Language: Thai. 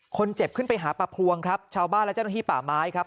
ขึ้นไปหาปลาพวงครับชาวบ้านและเจ้าหน้าที่ป่าไม้ครับ